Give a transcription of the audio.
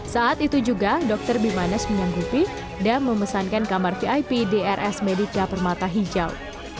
saat itu juga dr bimanes menyanggupi dan memesankan kamar vip drs medica permata hijau